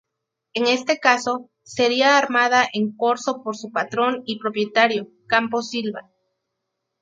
En este caso, sería armada en corso por su patrón y propietario, Campos Silva.